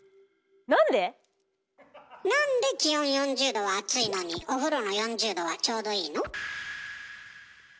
なんで気温４０℃は暑いのにお風呂の４０℃はちょうどいいの？